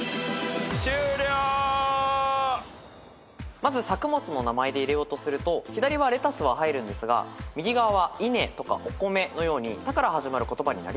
まず作物の名前で入れようとすると左はレタスは入るんですが右側は稲とかお米のように「た」から始まる言葉になりません。